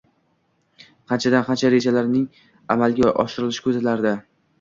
qanchadan-qancha rejalarning amalga oshirishni ko’zlardi.